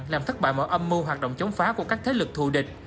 làm thất bại mọi âm mưu hoạt động chống phá của các thế lực thù địch